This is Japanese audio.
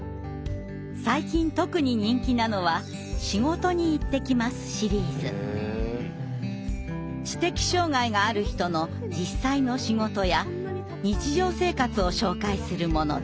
最近特に人気なのは知的障害がある人の実際の仕事や日常生活を紹介するものです。